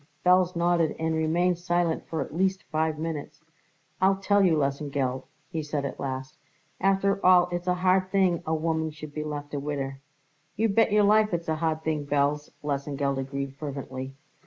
Belz nodded and remained silent for at least five minutes. "I'll tell you, Lesengeld," he said at last, "after all it's a hard thing a woman should be left a widder." "You bet your life it's a hard thing, Belz!" Lesengeld agreed fervently.